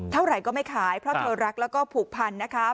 เท่าไหร่ก็ไม่ขายเพราะเธอรักแล้วก็ผูกพันนะคะ